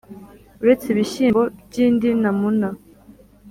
uretse ibishyimbo by’indi namuna